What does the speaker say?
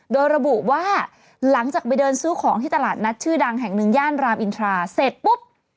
โดยระบุว่าหลังจากไปเดินซื้อของที่ตลาดนัดชื่อดังแห่งหนึ่งย่านรามอินทราเสร็จปุ๊บ